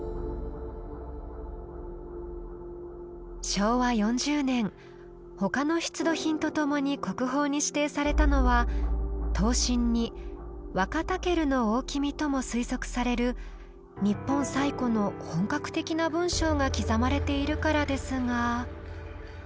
昭和４０年他の出土品とともに国宝に指定されたのは刀身に「ワカタケルの大王」とも推測される日本最古の本格的な文章が刻まれているからですが。